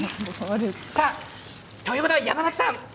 ということで山崎さん。